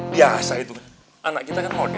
biasa itu kan anak kita kan mode